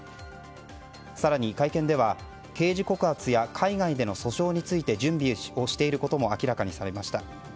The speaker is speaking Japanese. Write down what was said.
更に会見では刑事告発や海外での訴訟について準備していることも明らかにされました。